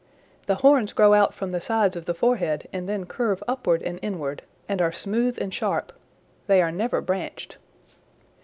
The horns grow out from the sides of the forehead and then curve upward and inward, and are smooth and sharp. They are never branched.